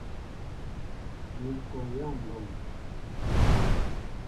Mi kɔyá ŋgɔn.